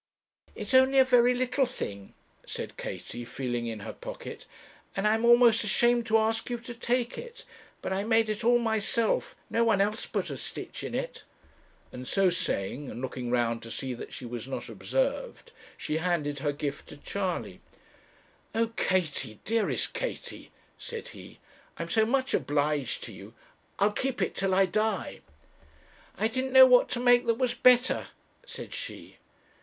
'It's only a very little thing,' said Katie, feeling in her pocket, 'and I am almost ashamed to ask you to take it. But I made it all myself; no one else put a stitch in it,' and so saying, and looking round to see that she was not observed, she handed her gift to Charley. 'Oh! Katie, dearest Katie,' said he, 'I am so much obliged to you I'll keep it till I die.' 'I didn't know what to make that was better,' said she.